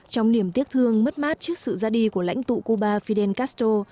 trong niềm tiếc thương mất mát trước sự ra đi của lãnh tụ cuba fidel castro